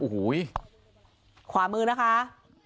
โอ้โหขวามือนะคะ